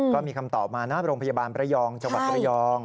ก็มีคำตอบมานะโรงพยาบาลประยองจังหวัดระยอง